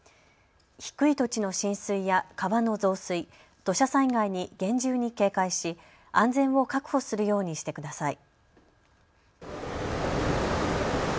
低い土地の浸水や川の増水、土砂災害に厳重に警戒し安全を確保するようにしてください。